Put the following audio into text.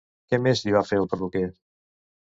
Què més li va fer el perruquer?